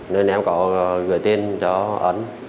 nên em có gửi tiền cho anh